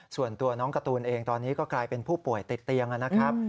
ส่วนตัวน้องการ์ตูนเองตอนนี้ก็กลายเป็นผู้ป่วยติดเตียงนะครับ